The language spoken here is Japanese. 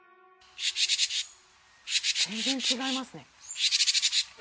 全然違いますね